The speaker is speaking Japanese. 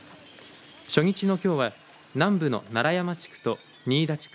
初日のきょうは南部の楢山地区と仁井田地区